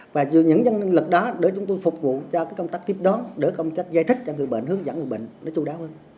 và vừa những nhân lực đó để chúng tôi phục vụ cho công tác tiếp đón để công tác giải thích cho người bệnh hướng dẫn người bệnh nó chú đáo hơn